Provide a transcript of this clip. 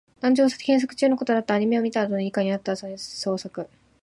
団地を探索中のことだった。アニメを見たあとの日課になった探索。